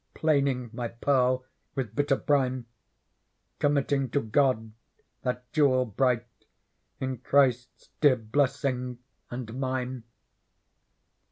Plaining my Pearl with bitter brine. Committing to God that Jewel bright In Christes dear blessing and mine.